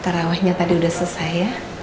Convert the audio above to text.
tarawahnya tadi udah selesai ya